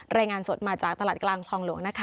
รายงานสดมาจากตลาดกลางคลองหลวงนะคะ